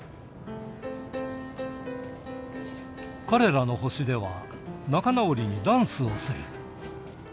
彼らの星では仲直りにダンスをする。